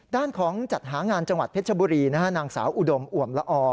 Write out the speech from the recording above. ด้านของจัดหางานจังหวัดเพชรบุรีนางสาวอุดมอ่วมละอ